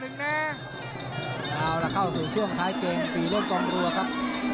เอาล่ะเข้าสู่ช่วงท้ายเกมตีเล่นกองรัวครับ